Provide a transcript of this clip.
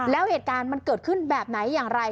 แล้วเหตุการณ์มันเกิดขึ้นแบบไหนอย่างไร